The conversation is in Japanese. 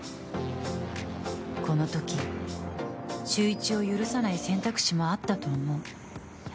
この時、秀一を許さない選択肢もあったと思う。